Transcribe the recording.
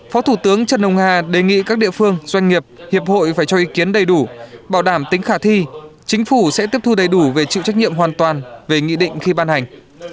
phó thủ tướng trần ông hà đề nghị các địa phương doanh nghiệp hiệp hội phải cho ý kiến đầy đủ bảo đảm tính khả thi chính phủ sẽ tiếp thu đầy đủ về chịu trách nhiệm hoàn toàn về nghị định khi ban hành